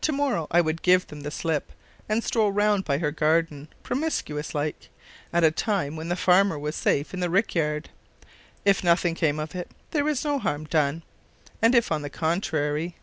To morrow I would give them the slip, and stroll round by her garden promiscuous like, at a time when the farmer was safe in the rick yard. If nothing came of it, there was no harm done; and if on the contrary...!